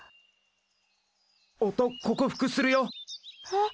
音克服するよ！え？